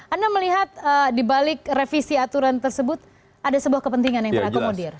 anda melihat dibalik revisi aturan tersebut ada sebuah kepentingan yang terakomodir